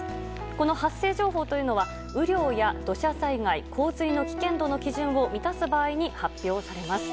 この発生情報というのは雨量や土砂災害、洪水の危険度の基準を満たす場合に発表されます。